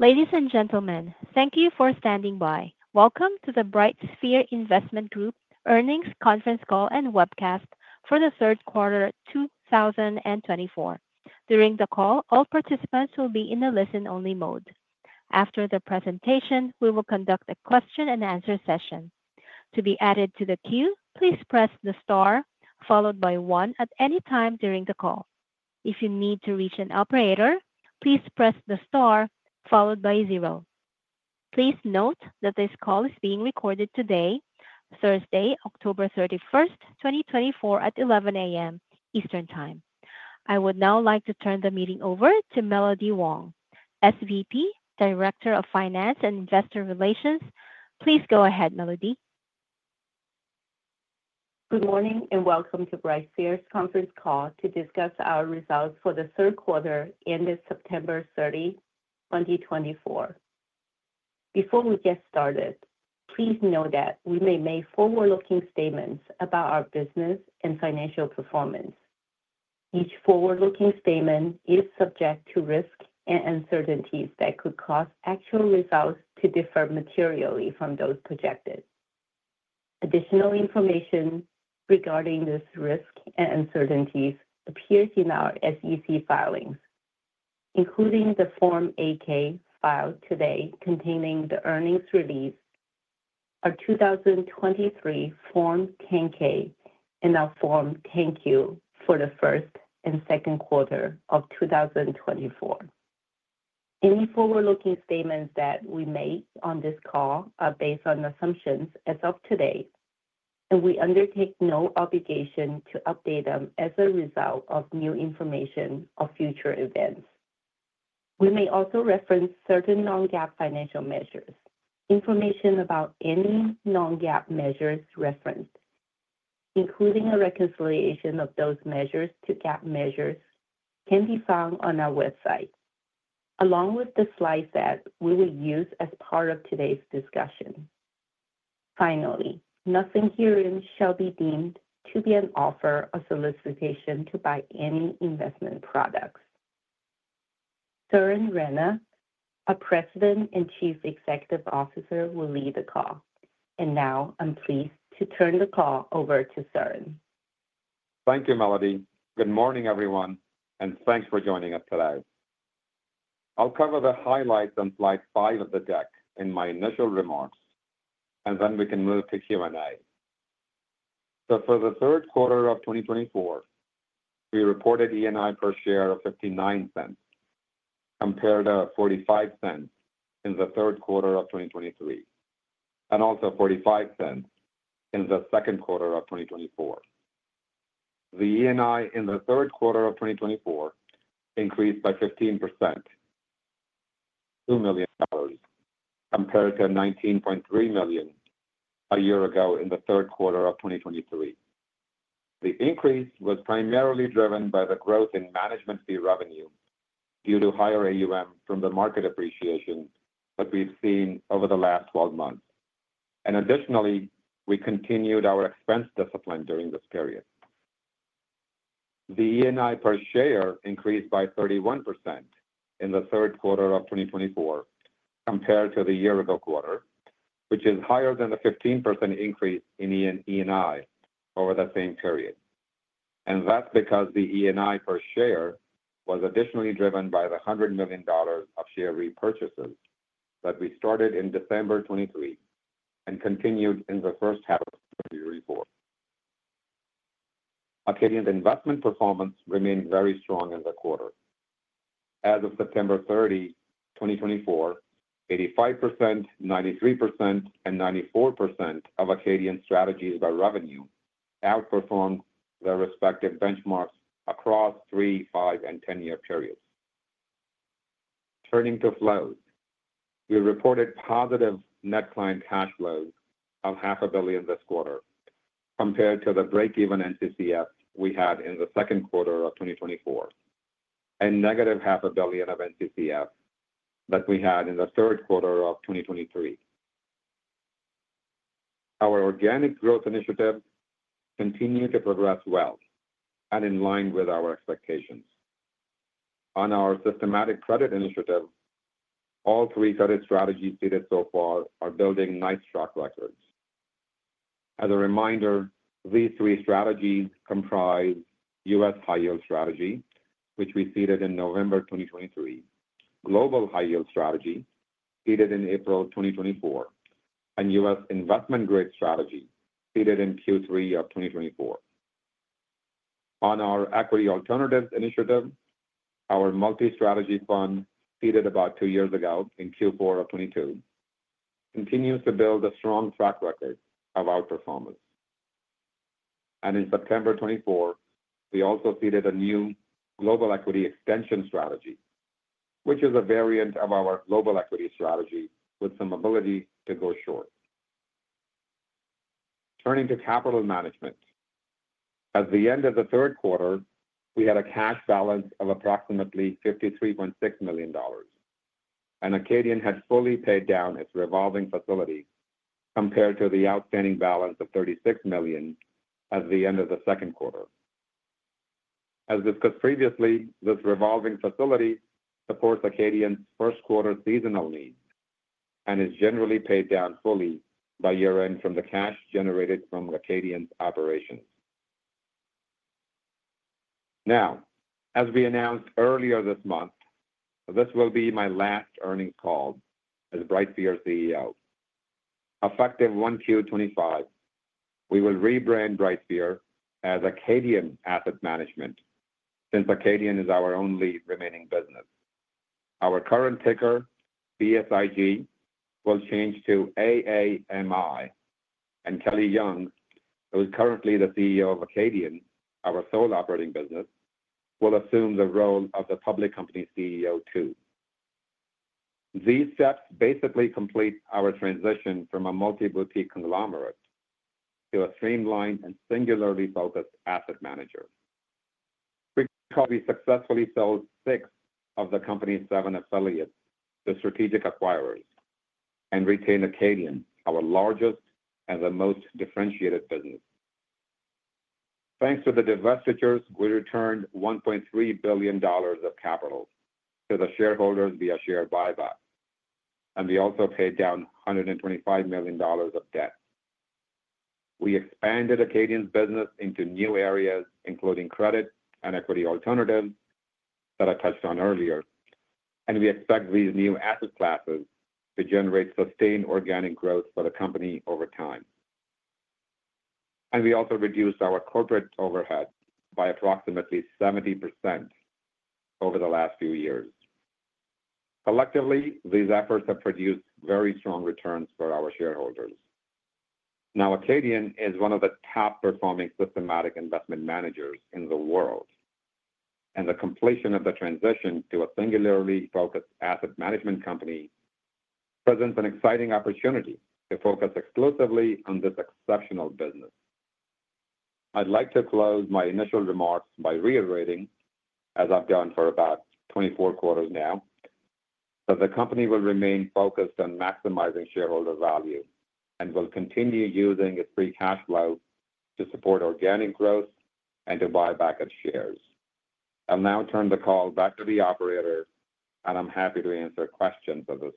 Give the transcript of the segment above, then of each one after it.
Ladies and gentlemen, thank you for standing by. Welcome to the BrightSphere Investment Group Earnings Conference Call and Webcast for the Third Quarter 2024. During the call, all participants will be in the listen-only mode. After the presentation, we will conduct a question-and-answer session. To be added to the queue, please press the star followed by one at any time during the call. If you need to reach an operator, please press the star followed by zero. Please note that this call is being recorded today, Thursday, October 31st, 2024, at 11:00 A.M. Eastern Time. I would now like to turn the meeting over to Melody Huang, SVP, Director of Finance and Investor Relations. Please go ahead, Melody. Good morning and welcome to BrightSphere's Conference Call to discuss our results for the third quarter ended September 30, 2024. Before we get started, please know that we may make forward-looking statements about our business and financial performance. Each forward-looking statement is subject to risks and uncertainties that could cause actual results to differ materially from those projected. Additional information regarding these risks and uncertainties appears in our SEC filings, including the Form 8-K filed today containing the earnings release, our 2023 Form 10-K, and our Form 10-Q for the first and second quarter of 2024. Any forward-looking statements that we make on this call are based on assumptions as of today, and we undertake no obligation to update them as a result of new information or future events. We may also reference certain non-GAAP financial measures. Information about any non-GAAP measures referenced, including a reconciliation of those measures to GAAP measures, can be found on our website, along with the slides that we will use as part of today's discussion. Finally, nothing herein shall be deemed to be an offer or solicitation to buy any investment products. Suren Rana, our President and Chief Executive Officer, will lead the call. And now, I'm pleased to turn the call over to Suren. Thank you, Melody. Good morning, everyone, and thanks for joining us today. I'll cover the highlights on slide five of the deck in my initial remarks, and then we can move to Q&A. So for the third quarter of 2024, we reported ENI per share of $0.59, compared to $0.45 in the third quarter of 2023, and also $0.45 in the second quarter of 2024. The ENI in the third quarter of 2024 increased by 15%, $2 million, compared to $19.3 million a year ago in the third quarter of 2023. The increase was primarily driven by the growth in management fee revenue due to higher AUM from the market appreciation that we've seen over the last 12 months. And additionally, we continued our expense discipline during this period. The ENI per share increased by 31% in the third quarter of 2024, compared to the year-ago quarter, which is higher than the 15% increase in ENI over the same period. And that's because the ENI per share was additionally driven by the $100 million of share repurchases that we started in December 2023 and continued in the first half of 2024. Acadian's investment performance remained very strong in the quarter. As of September 30, 2024, 85%, 93%, and 94% of Acadian's strategies by revenue outperformed their respective benchmarks across three, five, and ten-year periods. Turning to flows, we reported positive net client cash flows of $500 million this quarter, compared to the break-even NCCF we had in the second quarter of 2024, and negative $500 million of NCCF that we had in the third quarter of 2023. Our organic growth initiatives continue to progress well and in line with our expectations. On our systematic credit initiative, all three credit strategies seeded so far are building nice track records. As a reminder, these three strategies comprise U.S. high-yield strategy, which we seeded in November 2023, global high-yield strategy seeded in April 2024, and U.S. investment grade strategy seeded in Q3 of 2024. On our equity alternatives initiative, our multi-strategy fund seeded about two years ago in Q4 of 2022 continues to build a strong track record of our performance. And in September 2024, we also seeded a new global equity extension strategy, which is a variant of our global equity strategy with some ability to go short. Turning to capital management, at the end of the third quarter, we had a cash balance of approximately $53.6 million, and Acadian had fully paid down its revolving facility compared to the outstanding balance of $36 million at the end of the second quarter. As discussed previously, this revolving facility supports Acadian's first-quarter seasonal needs and is generally paid down fully by year-end from the cash generated from Acadian's operations. Now, as we announced earlier this month, this will be my last earnings call as BrightSphere CEO. Effective 1Q25, we will rebrand BrightSphere as Acadian Asset Management since Acadian is our only remaining business. Our current ticker, BSIG, will change to AAMI, and Kelly Young, who is currently the CEO of Acadian, our sole operating business, will assume the role of the public company CEO too. These steps basically complete our transition from a multi-boutique conglomerate to a streamlined and singularly focused asset manager. We're going to be successfully selling six of the company's seven affiliates to strategic acquirers and retain Acadian, our largest and the most differentiated business. Thanks to the divestitures, we returned $1.3 billion of capital to the shareholders via share buyback, and we also paid down $125 million of debt. We expanded Acadian's business into new areas, including credit and equity alternatives that I touched on earlier, and we expect these new asset classes to generate sustained organic growth for the company over time, and we also reduced our corporate overhead by approximately 70% over the last few years. Collectively, these efforts have produced very strong returns for our shareholders. Now, Acadian is one of the top-performing systematic investment managers in the world, and the completion of the transition to a singularly focused asset management company presents an exciting opportunity to focus exclusively on this exceptional business. I'd like to close my initial remarks by reiterating, as I've done for about 24 quarters now, that the company will remain focused on maximizing shareholder value and will continue using its free cash flow to support organic growth and to buy back its shares. I'll now turn the call back to the operator, and I'm happy to answer questions at this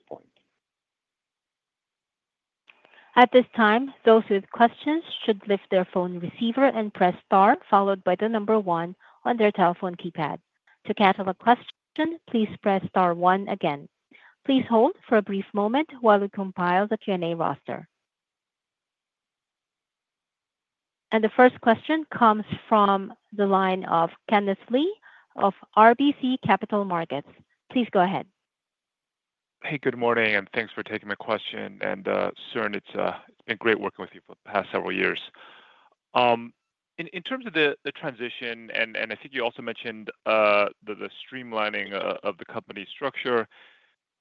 point. At this time, those with questions should lift their phone receiver and press star, followed by the number one on their telephone keypad. To cancel a question, please press star one again. Please hold for a brief moment while we compile the Q&A roster. And the first question comes from the line of Kenneth Lee of RBC Capital Markets. Please go ahead. Hey, good morning, and thanks for taking my question. Suren, it's been great working with you for the past several years. In terms of the transition, and I think you also mentioned the streamlining of the company structure.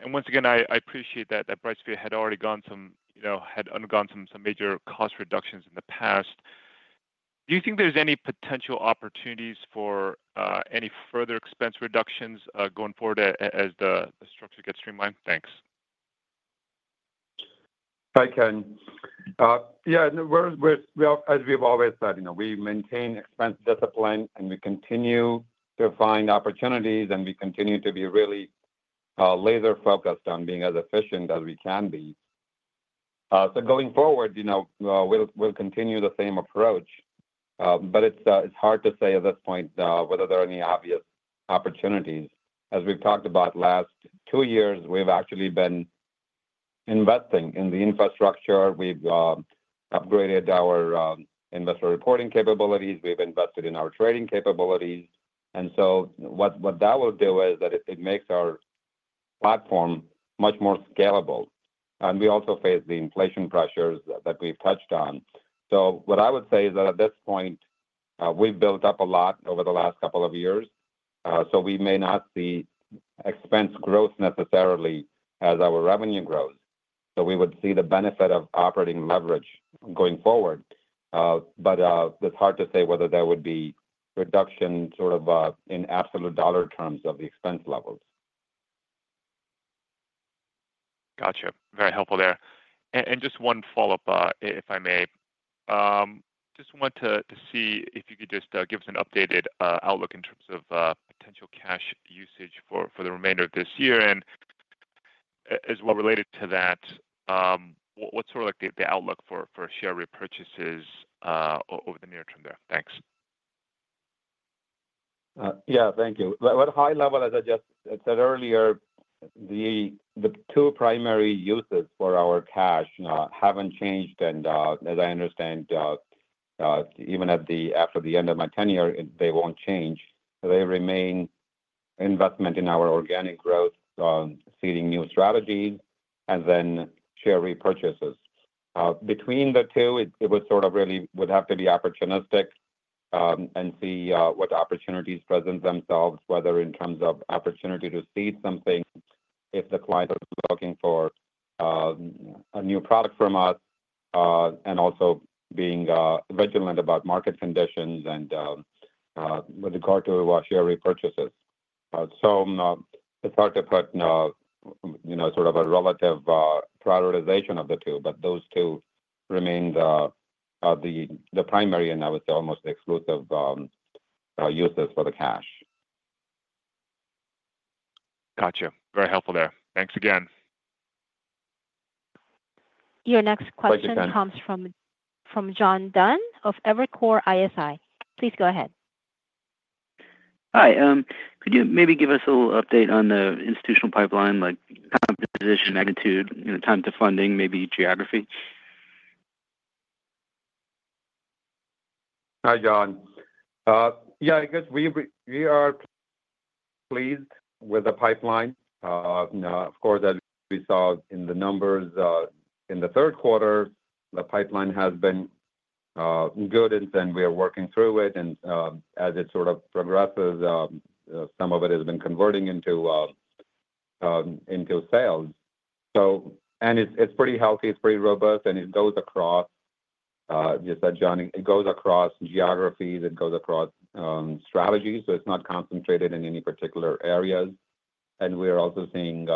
Once again, I appreciate that BrightSphere had already, you know, undergone some major cost reductions in the past. Do you think there's any potential opportunities for any further expense reductions going forward as the structure gets streamlined? Thanks. I can. Yeah, we're as we've always said, you know, we maintain expense discipline, and we continue to find opportunities, and we continue to be really laser-focused on being as efficient as we can be, so going forward, you know, we'll continue the same approach, but it's hard to say at this point whether there are any obvious opportunities. As we've talked about, the last two years, we've actually been investing in the infrastructure. We've upgraded our investor reporting capabilities. We've invested in our trading capabilities. And so what that will do is that it makes our platform much more scalable. And we also face the inflation pressures that we've touched on. So what I would say is that at this point, we've built up a lot over the last couple of years, so we may not see expense growth necessarily as our revenue grows. So we would see the benefit of operating leverage going forward. But it's hard to say whether there would be reduction sort of in absolute dollar terms of the expense levels. Gotcha. Very helpful there. And just one follow-up, if I may. Just want to see if you could just give us an updated outlook in terms of potential cash usage for the remainder of this year. And as well related to that, what's sort of like the outlook for share repurchases over the near term there? Thanks. Yeah, thank you. But at a high level, as I just said earlier, the two primary uses for our cash haven't changed. And, as I understand, even after the end of my tenure, they won't change. They remain investment in our organic growth, seeding new strategies, and then share repurchases. Between the two, it would sort of really would have to be opportunistic, and see what opportunities present themselves, whether in terms of opportunity to seed something if the client is looking for a new product from us, and also being vigilant about market conditions and with regard to share repurchases. So, it's hard to put, you know, sort of a relative prioritization of the two, but those two remain the primary and I would say almost exclusive uses for the cash. Gotcha. Very helpful there. Thanks again. Your next question comes from John Dunn of Evercore ISI. Please go ahead. Hi. Could you maybe give us a little update on the institutional pipeline, like composition, magnitude, you know, time to funding, maybe geography? Hi, John. Yeah, I guess we are pleased with the pipeline. Of course, as we saw in the numbers, in the third quarter, the pipeline has been good, and then we are working through it, and as it sort of progresses, some of it has been converting into sales, so it's pretty healthy. It's pretty robust, and it goes across, just like John, it goes across geographies. It goes across strategies, so it's not concentrated in any particular areas, and we are also seeing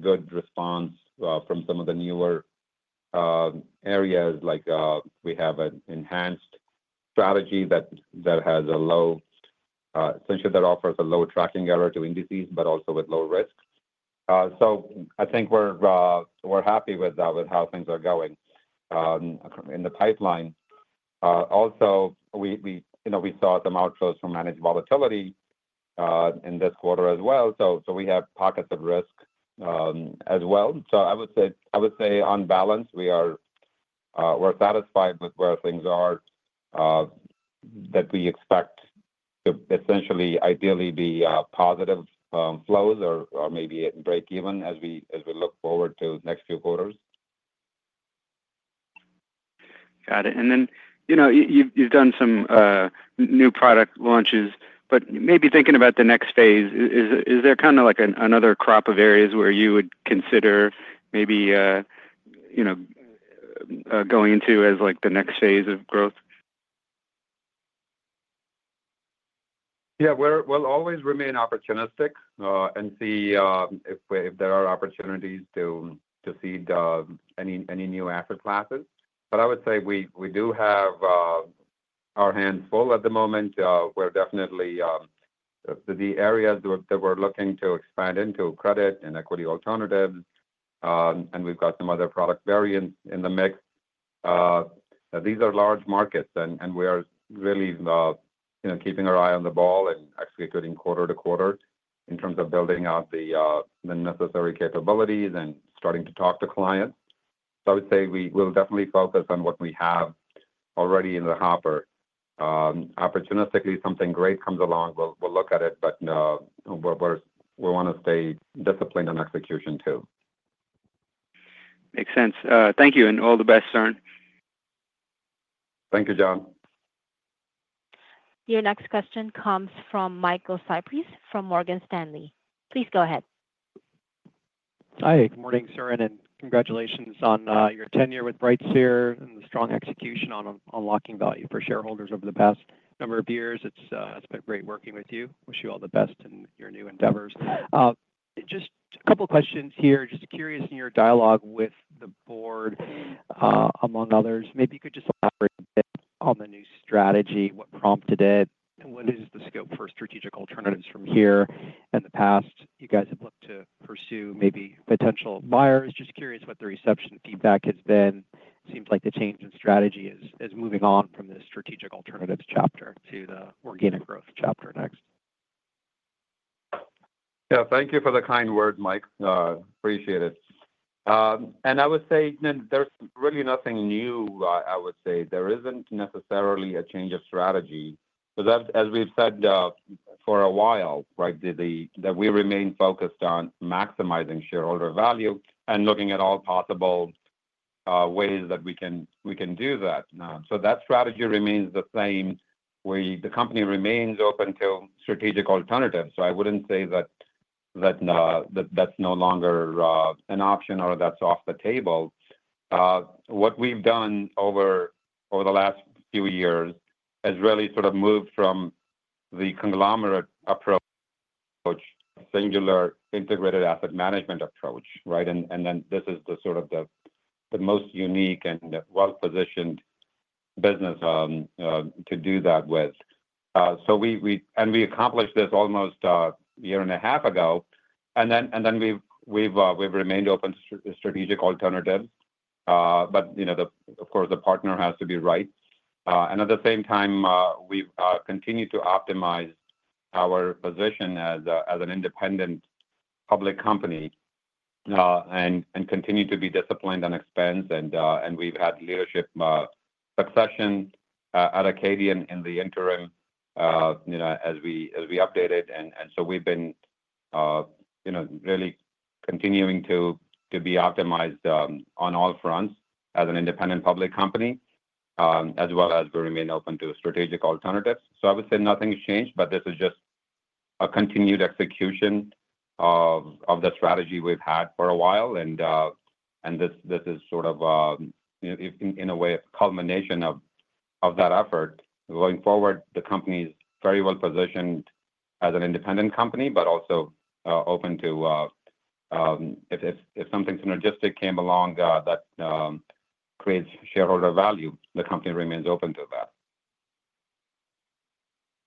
good response from some of the newer areas, like we have an enhanced strategy that has a low, essentially that offers a low tracking error to indices, but also with low risk, so I think we're happy with how things are going in the pipeline. Also, you know, we saw some outflows from managed volatility in this quarter as well. So we have pockets of risk as well. I would say on balance, we're satisfied with where things are, that we expect to essentially, ideally, be positive flows or maybe break even as we look forward to the next few quarters. Got it. And then, you know, you've done some new product launches, but maybe thinking about the next phase, is there kind of like another crop of areas where you would consider maybe, you know, going into as like the next phase of growth? Yeah, we'll always remain opportunistic, and see, if there are opportunities to seed any new asset classes. But I would say we do have our hands full at the moment. We're definitely the areas that we're looking to expand into credit and equity alternatives. And we've got some other product variants in the mix. These are large markets, and we are really, you know, keeping our eye on the ball and executing quarter to quarter in terms of building out the necessary capabilities and starting to talk to clients. So I would say we will definitely focus on what we have already in the hopper. Opportunistically, something great comes along, we'll look at it, but we want to stay disciplined on execution too. Makes sense. Thank you, and all the best, Suren. Thank you, John. Your next question comes from Michael Cyprys from Morgan Stanley. Please go ahead. Hi. Good morning, Suren, and congratulations on your tenure with BrightSphere and the strong execution on unlocking value for shareholders over the past number of years. It's been great working with you. Wish you all the best in your new endeavors. Just a couple of questions here. Just curious in your dialogue with the board, among others, maybe you could just elaborate a bit on the new strategy, what prompted it, and what is the scope for strategic alternatives from here and the past? You guys have looked to pursue maybe potential buyers. Just curious what the reception feedback has been. Seems like the change in strategy is moving on from the strategic alternatives chapter to the organic growth chapter next. Yeah, thank you for the kind word, Mike. I appreciate it. I would say, you know, there's really nothing new, I would say. There isn't necessarily a change of strategy because, as we've said, for a while, right, that we remain focused on maximizing shareholder value and looking at all possible ways that we can do that, so that strategy remains the same. The company remains open to strategic alternatives. I wouldn't say that that's no longer an option or that's off the table. What we've done over the last few years has really sort of moved from the conglomerate approach, singular integrated asset management approach, right? Then this is the sort of the most unique and well-positioned business to do that with, so we and we accomplished this almost a year and a half ago. And then we've remained open to strategic alternatives, but you know, of course, the partner has to be right. And at the same time, we've continued to optimize our position as an independent public company, and continue to be disciplined on expense. And we've had leadership succession at Acadian in the interim, you know, as we updated. And so we've been, you know, really continuing to be optimized on all fronts as an independent public company, as well as we remain open to strategic alternatives, so I would say nothing has changed, but this is just a continued execution of the strategy we've had for a while. And this is sort of, you know, in a way, a culmination of that effort. Going forward, the company is very well-positioned as an independent company, but also open to, if something synergistic came along that creates shareholder value, the company remains open to that.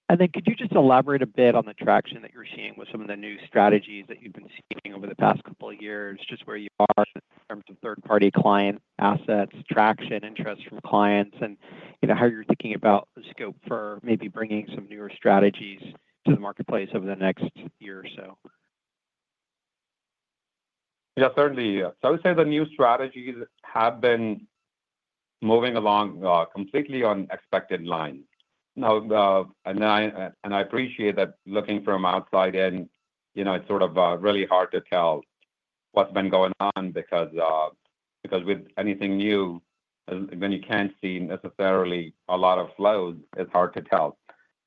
And then could you just elaborate a bit on the traction that you're seeing with some of the new strategies that you've been seeding over the past couple of years, just where you are in terms of third-party client assets, traction, interest from clients, and, you know, how you're thinking about the scope for maybe bringing some newer strategies to the marketplace over the next year or so? Yeah, certainly. So I would say the new strategies have been moving along, completely on expected lines. Now, and I appreciate that looking from outside in, you know, it's sort of really hard to tell what's been going on because with anything new, when you can't see necessarily a lot of flows, it's hard to tell.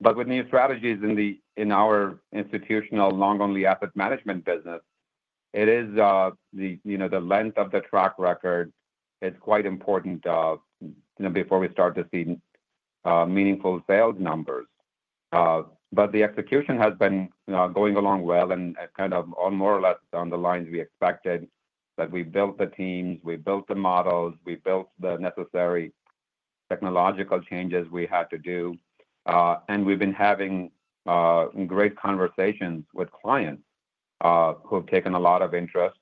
But with new strategies in our institutional long-only asset management business, it is the, you know, the length of the track record is quite important, you know, before we start to see meaningful sales numbers. But the execution has been going along well and kind of on more or less on the lines we expected that we built the teams, we built the models, we built the necessary technological changes we had to do. And we've been having great conversations with clients who have taken a lot of interest,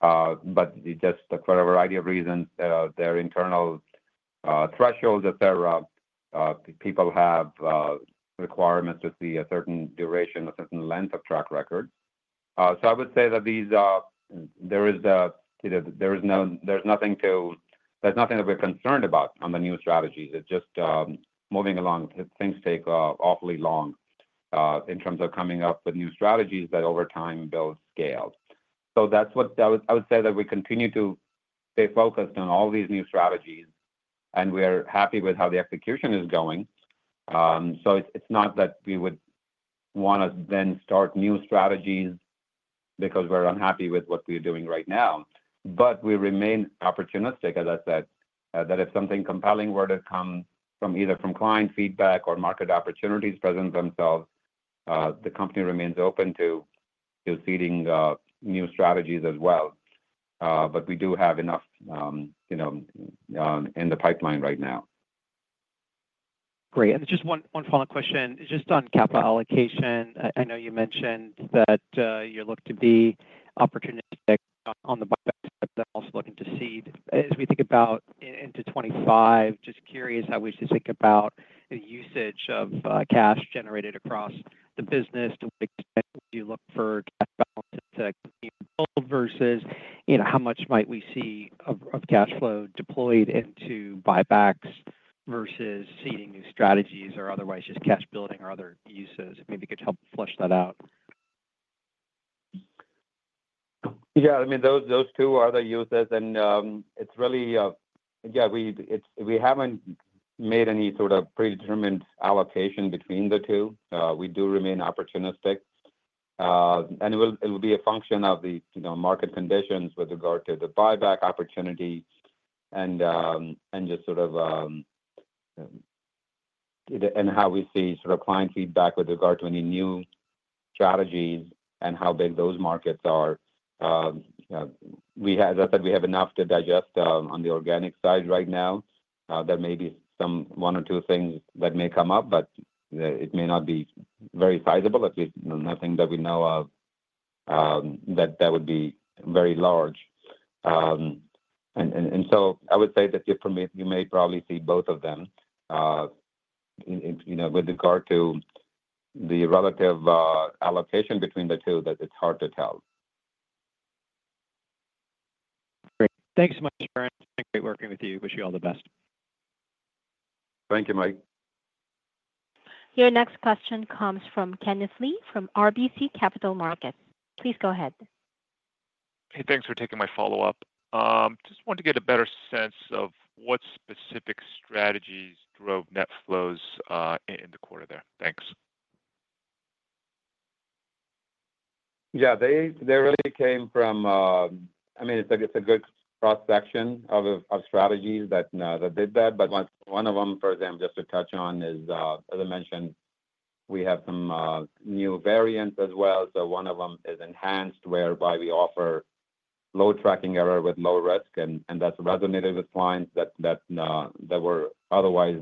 but just for a variety of reasons, their internal thresholds, et cetera. People have requirements to see a certain duration, a certain length of track record. I would say that these, you know, there's nothing that we're concerned about on the new strategies. It's just moving along. Things take awfully long in terms of coming up with new strategies that over time build scale. That's what I would say, that we continue to stay focused on all these new strategies, and we are happy with how the execution is going. It's not that we would want to then start new strategies because we're unhappy with what we're doing right now. But we remain opportunistic, as I said, that if something compelling were to come from either client feedback or market opportunities present themselves, the company remains open to seeding new strategies as well. But we do have enough, you know, in the pipeline right now. Great. And just one follow-up question. Just on capital allocation, I know you mentioned that, you look to be opportunistic on the buyback, but also looking to seed as we think about into 2025. Just curious how we should think about the usage of cash generated across the business. Do you look for cash balance to continue to build versus, you know, how much might we see of cash flow deployed into buybacks versus seeding new strategies or otherwise just cash building or other uses? Maybe you could help flesh that out. Yeah, I mean, those, those two are the uses. And it's really, we haven't made any sort of predetermined allocation between the two. We do remain opportunistic. And it will be a function of the, you know, market conditions with regard to the buyback opportunity and just sort of how we see sort of client feedback with regard to any new strategies and how big those markets are. You know, we have, as I said, we have enough to digest on the organic side right now. There may be some one or two things that may come up, but it may not be very sizable, at least nothing that we know of that would be very large. So I would say that you may probably see both of them, you know, with regard to the relative allocation between the two that it's hard to tell. Great. Thanks so much, Suren. Great working with you. Wish you all the best. Thank you, Mike. Your next question comes from Kenneth Lee from RBC Capital Markets. Please go ahead. Hey, thanks for taking my follow-up. Just wanted to get a better sense of what specific strategies drove net flows in the quarter there. Thanks. Yeah, they really came from, I mean, it's a good cross-section of strategies that did that, but one of them, for example, just to touch on is, as I mentioned, we have some new variants as well, so one of them is enhanced, whereby we offer low tracking error with low risk, and that's resonated with clients that were otherwise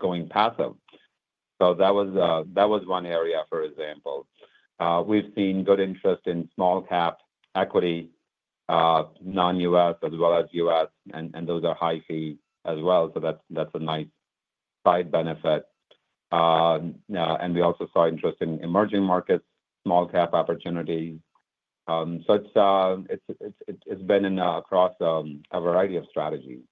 going passive, so that was one area, for example. We've seen good interest in small-cap equity, non-U.S., as well as U.S., and those are high-fee as well, so that's a nice side benefit, and we also saw interest in emerging markets, small-cap opportunities, so it's been across a variety of strategies.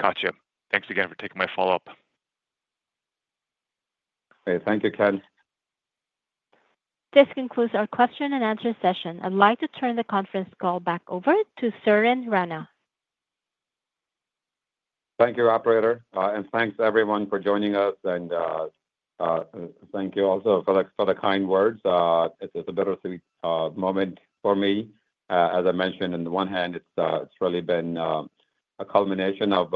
Gotcha. Thanks again for taking my follow-up. Okay, thank you, Ken. This concludes our question and answer session. I'd like to turn the conference call back over to Suren Rana. Thank you, Operator, and thanks everyone for joining us. Thank you also for the kind words. It's a bittersweet moment for me. As I mentioned, on the one hand, it's really been a culmination of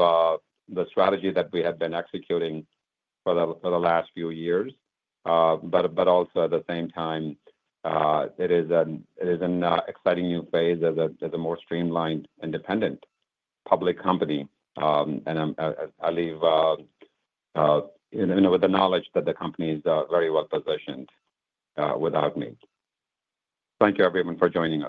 the strategy that we have been executing for the last few years, but also at the same time, it is an exciting new phase as a more streamlined independent public company. I leave, you know, with the knowledge that the company is very well-positioned without me. Thank you, everyone, for joining me.